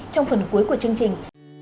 trong phần cuối của chương trình